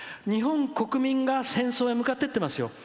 日本国民が戦争に向かっていってますよ。